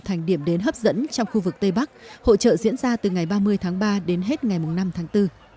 thành điểm đến hấp dẫn trong khu vực tây bắc hội trợ diễn ra từ ngày ba mươi tháng ba đến hết ngày năm tháng bốn